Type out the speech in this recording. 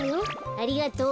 ありがとう。